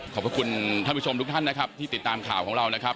ขอบคุณท่านผู้ชมทุกท่านนะครับที่ติดตามข่าวของเรานะครับ